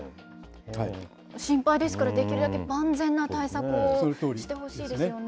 心配ですから、できるだけ万全な対策をしてほしいですよね。